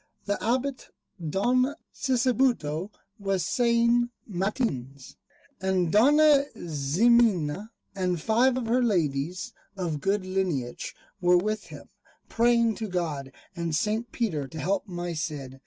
The Abbot Don Sisebuto was saying matins, and Dona Ximena and five of her ladies of good lineage were with him, praying to God and St. Peter to help my Cid.